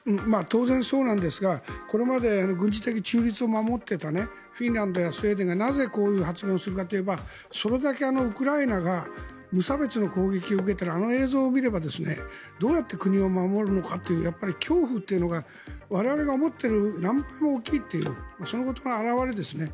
当然、そうなんですがこれまで軍事的中立を守っていたフィンランドやスウェーデンがなぜこういう発言をするかといえばそれだけウクライナが無差別の攻撃を受けているあの映像を見ればどうやって国を守るのかという恐怖というのが我々が思っている何倍も大きいというそのことの表れですね。